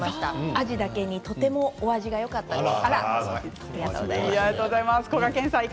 アジだけに、とても「おあじ」がよかったです。